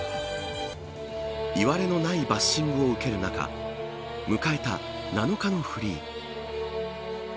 いわれのないバッシングを受ける中、迎えた７日のフリー。